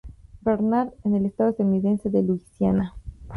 Bernard en el estado estadounidense de Luisiana.